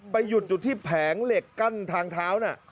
หยุดอยู่ที่แผงเหล็กกั้นทางเท้าน่ะ